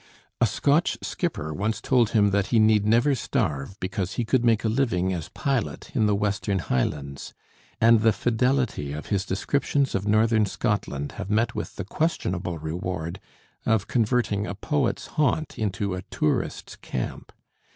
A Scotch skipper once told him he need never starve, because he could make a living as pilot in the western Highlands; and the fidelity of his descriptions of northern Scotland have met with the questionable reward of converting a poet's haunt into a tourist's camp.